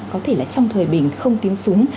có thể là trong thời bình không tiếng súng